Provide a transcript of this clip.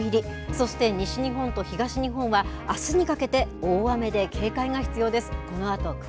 そして、西日本と東日本はあすにかけて大雨で警戒が必要です。